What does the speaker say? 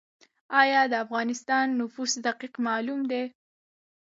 آیا د افغانستان نفوس دقیق معلوم دی؟